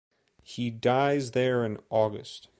He dies there in August.